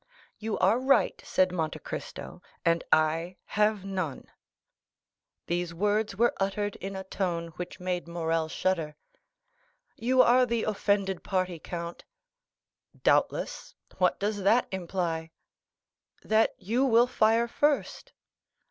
"You are right," said Monte Cristo; "and I have none." These words were uttered in a tone which made Morrel shudder. "You are the offended party, count." "Doubtless; what does that imply?" "That you will fire first."